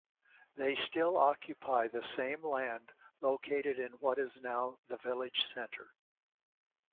They still occupy the same land located in what is now the village center.